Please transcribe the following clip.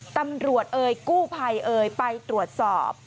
ตำรวจเอ่ยกู้ภัยเอ่ยไปตรวจสอบ